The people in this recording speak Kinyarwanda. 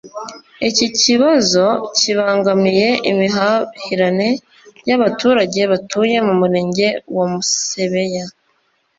Iki kibazo kibangamiye imihahiranire y’abaturage batuye mu mirenge ya Musebeya